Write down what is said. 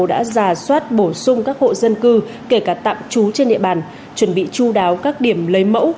đã giả soát bổ sung các hộ dân cư kể cả tạm trú trên địa bàn chuẩn bị chú đáo các điểm lấy mẫu